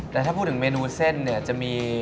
แต่ถ้าพูดถึงเมนูเส้นเนี่ยจะมี